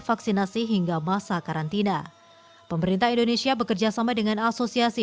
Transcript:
vaksinasi hingga masa karantina pemerintah indonesia bekerjasama dengan asosiasi